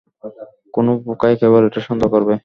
কোন বোকাই কেবল এটা সন্দেহ করবে।